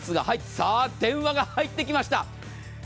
さぁ、電話が入ってきました。